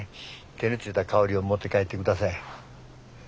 手に付いた香りを持って帰って下さい。